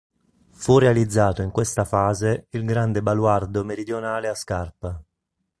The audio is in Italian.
Fu realizzato in questa fase il grande baluardo meridionale a scarpa.